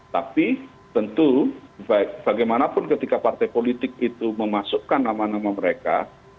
tapi tentu bagaimanapun ketika partai politik itu memasukkan nama nama mereka